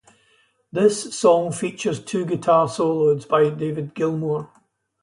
This song features two guitar solos by David Gilmour.